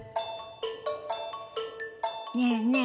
ねえねえ